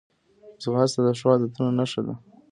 ځغاسته د ښو عادتونو نښه ده